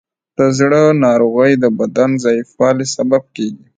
د زړه ناروغۍ د بدن ضعیفوالی سبب کېږي.